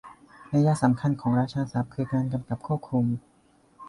นัยยะสำคัญของราชาศัพท์คือการกำกับควบคุม